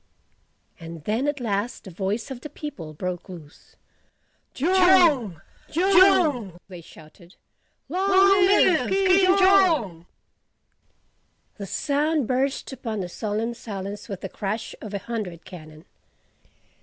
And then at last the voice of the people broke loose. "JONG! JONG!" they shouted, "LONG LIVE KING JONG!" The sound burst upon the solemn silence with the crash of a hundred cannon.